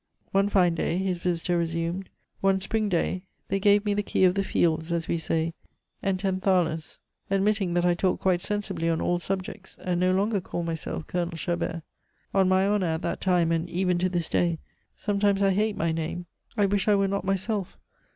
"One fine day," his visitor resumed, "one spring day, they gave me the key of the fields, as we say, and ten thalers, admitting that I talked quite sensibly on all subjects, and no longer called myself Colonel Chabert. On my honor, at that time, and even to this day, sometimes I hate my name. I wish I were not myself.